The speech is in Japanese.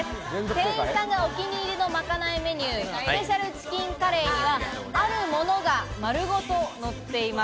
店員さんがお気に入りのまかないメニュー、スペシャルチキンカレーには、あるものが丸ごとのっています。